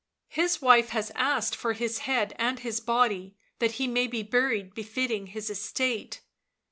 " His wife has asked for his head and his body that he may be buried befitting his estate."